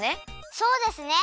そうですね。